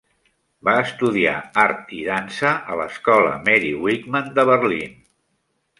Va estudiar art i dansa a l'escola Mary Wigman de Berlín.